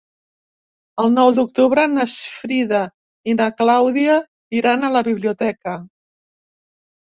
El nou d'octubre na Frida i na Clàudia iran a la biblioteca.